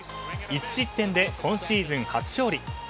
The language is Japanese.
１失点で今シーズン初勝利。